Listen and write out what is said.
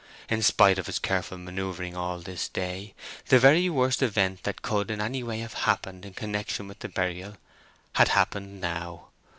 In spite of his careful manœuvering all this day, the very worst event that could in any way have happened in connection with the burial had happened now.